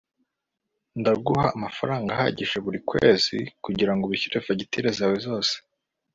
ndaguha amafaranga ahagije buri kwezi kugirango wishyure fagitire zawe zose